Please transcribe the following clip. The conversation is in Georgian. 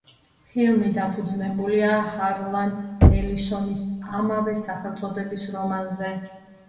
ფილმი დაფუძნებულია ჰარლან ელისონის ამავე სახელწოდების რომანზე.